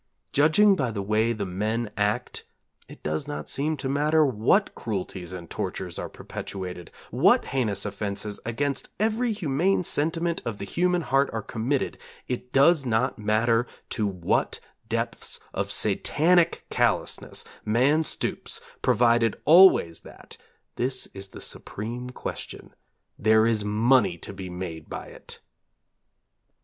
Judging by the way the men act it does not seem to matter what cruelties and tortures are perpetuated; what heinous offenses against every humane sentiment of the human heart are committed; it does not matter to what depths of Satanic callousness man stoops provided always that this is the supreme question there is money to be made by it.